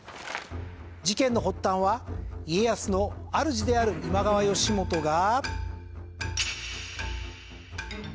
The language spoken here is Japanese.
事件の発端は家康のあるじである今川義元が。